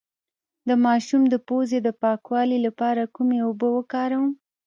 د ماشوم د پوزې د پاکوالي لپاره کومې اوبه وکاروم؟